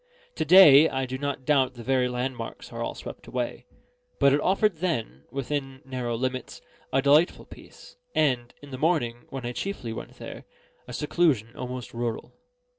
To day, I do not doubt the very landmarks are all swept away; but it offered then, within narrow limits, a delightful peace, and (in the morning, when I chiefly went there) a seclusion almost rural.